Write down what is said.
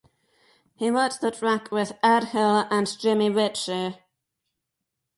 He wrote the track with Ed Hill and Jimmy Ritchey.